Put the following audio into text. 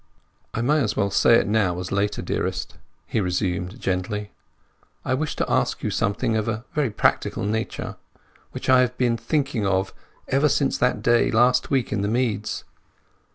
"I may as well say it now as later, dearest," he resumed gently. "I wish to ask you something of a very practical nature, which I have been thinking of ever since that day last week in the meads.